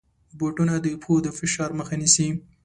بوټونه د پښو د فشار مخه نیسي.